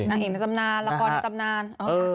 เอกในตำนานละครในตำนาน